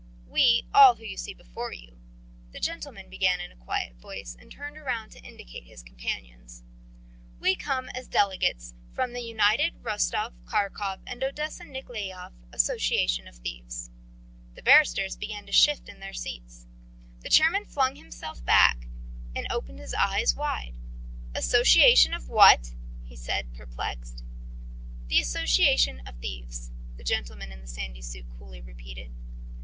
"We all whom you see before you," the gentleman began in a quiet voice and turned round to indicate his companions, "we come as delegates from the United Rostov Kharkov and Odessa Nikolayev Association of Thieves." The barristers began to shift in their seats. The chairman flung himself back and opened his eyes wide. "Association of what?" he said, perplexed. "The Association of Thieves," the gentleman in the sandy suit coolly repeated.